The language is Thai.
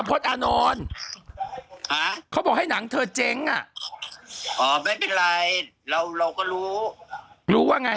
พอดอาโนนเขาบอกให้หนังเธอเจ๊งไม่เป็นไรเราก็รู้รู้ว่าไง